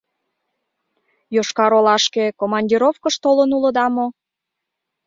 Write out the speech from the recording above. — Йошкар-Олашке командировкыш толын улыда мо?